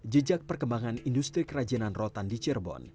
jejak perkembangan industri kerajinan rotan di cirebon